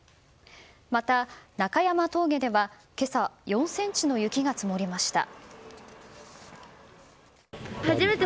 また、中山峠では今朝、４ｃｍの雪が積もりました。